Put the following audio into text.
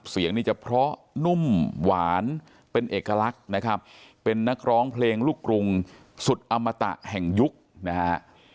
เสียงนี่จะเพราะนุ่มหวานเป็นเอกลักษณ์นะครับเป็นนักร้องเพลงลูกกรุงสุดอมตะแห่งยุคนะฮะ